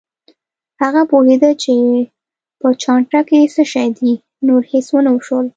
هغه پوهېده چې په چانټه کې څه شي دي، نور هېڅ ونه شول.